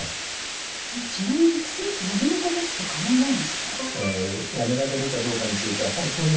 ちなみに薬ってやめることって可能なんですか？